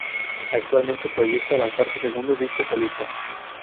Actualmente, proyecta lanzar su segundo disco solista.